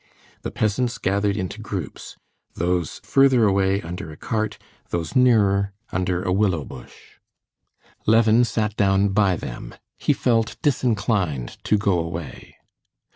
The peasants gathered into groups—those further away under a cart, those nearer under a willow bush. Levin sat down by them; he felt disinclined to go away.